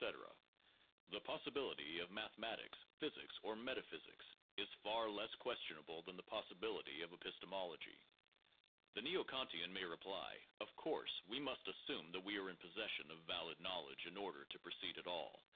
The "possibility" of mathematics, physics, or metaphysics is far less questionable than the possibility of epistemology. The neo Kantian may reply: "Of course we must assume that we are in possession of valid knowledge in order to proceed at all.